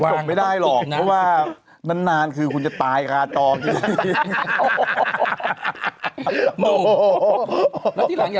มันส่งไม่ได้หรอกเพราะว่านานคือคุณจะตายคาจอจริง